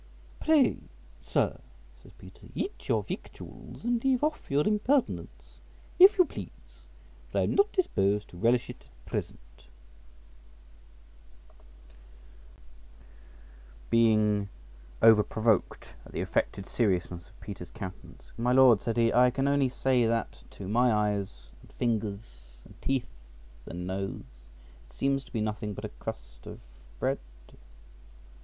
"Pray, sir," says Peter, "eat your victuals and leave off your impertinence, if you please, for I am not disposed to relish it at present;" but the other could not forbear, being over provoked at the affected seriousness of Peter's countenance. "My Lord," said he, "I can only say, that to my eyes and fingers, and teeth and nose, it seems to be nothing but a crust of bread."